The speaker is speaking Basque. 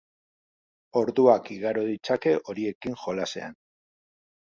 Orduak igaro ditzake horiekin jolasean.